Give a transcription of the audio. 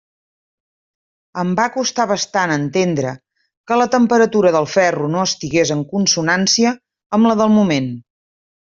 Em va costar bastant entendre que la temperatura del ferro no estigués en consonància amb la del moment.